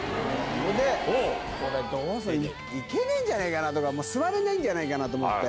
で、これどうする、行けねぇんじゃねぇとか、もう、座れないんじゃないかなと思って。